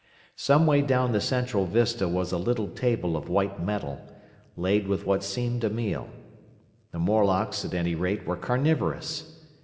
Some way down the central vista was a little table of white metal, laid with what seemed a meal. The Morlocks at any rate were carnivorous!